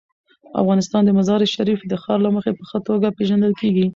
افغانستان د مزارشریف د ښار له مخې په ښه توګه پېژندل کېږي.